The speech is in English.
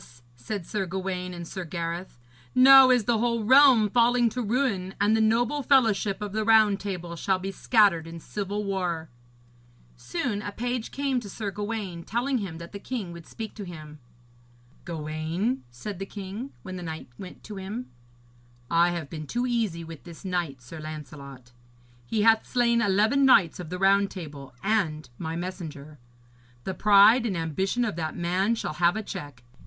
said Sir Gawaine and Sir Gareth, 'now is the whole realm falling to ruin, and the noble fellowship of the Round Table shall be scattered in civil war.' Soon a page came to Sir Gawaine, telling him that the king would speak to him. 'Gawaine,' said the king, when the knight went to him, 'I have been too easy with this knight, Sir Lancelot. He hath slain eleven knights of the Round Table and my messenger. The pride and ambition of that man shall have a check.